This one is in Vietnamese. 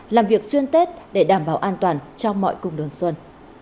làm việc xuyên tết để đảm bảo an toàn trong mọi cùng đường xuân